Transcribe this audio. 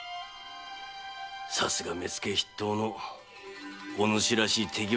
さすが目付筆頭のお主らしい手際のよさだ。